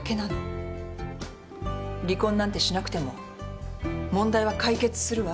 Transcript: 離婚なんてしなくても問題は解決するわ。